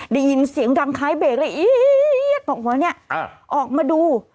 ได้ยินเสียงดังคล้ายเบรกเลยออกมาดู